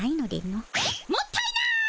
もったいない！